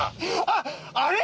あっあれ？